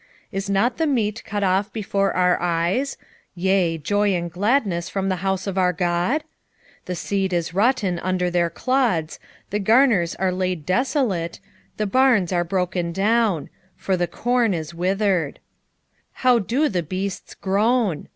1:16 Is not the meat cut off before our eyes, yea, joy and gladness from the house of our God? 1:17 The seed is rotten under their clods, the garners are laid desolate, the barns are broken down; for the corn is withered. 1:18 How do the beasts groan!